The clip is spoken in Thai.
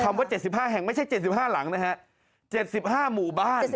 ว่า๗๕แห่งไม่ใช่๗๕หลังนะฮะ๗๕หมู่บ้าน